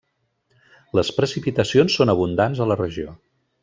Les precipitacions són abundants a la regió.